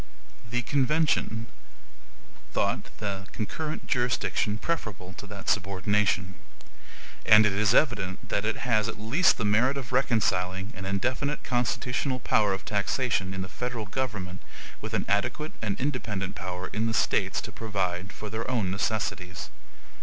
The convention thought the concurrent jurisdiction preferable to that subordination; and it is evident that it has at least the merit of reconciling an indefinite constitutional power of taxation in the Federal government with an adequate and independent power in the States to provide for their own necessities.